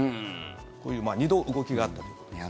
こういう、２度動きがあったということですね。